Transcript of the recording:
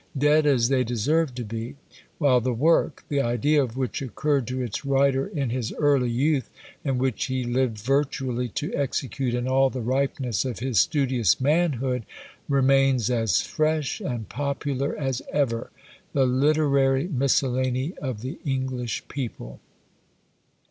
Dead as they deserve to be: while the work, the idea of which occurred to its writer in his early youth, and which he lived virtually to execute in all the ripeness of his studious manhood, remains as fresh and popular as ever, the Literary Miscellany of the English People.